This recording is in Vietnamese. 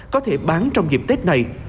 có thể bán trong dịp tết này